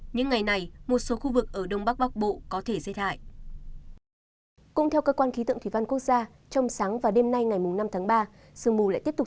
những ngày này một số khu vực ở đông bắc bắc bộ có thể rét hại